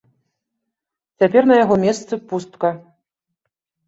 Цяпер на яго месцы пустка.